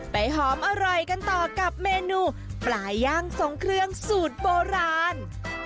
หอมอร่อยกันต่อกับเมนูปลาย่างทรงเครื่องสูตรโบราณ